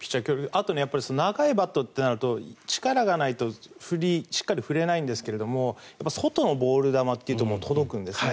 あと、長いバットとなると力がないとしっかり振れないんですが外のボール球っていうところにも届くんですね。